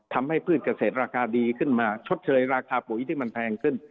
พืชเกษตรราคาดีขึ้นมาชดเชยราคาปุ๋ยที่มันแพงขึ้น